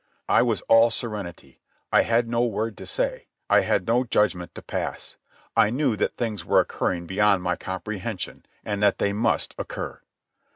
I was all serenity. I had no word to say. I had no judgment to pass. I knew that things were occurring beyond my comprehension, and that they must occur.